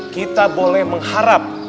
kita boleh mengharap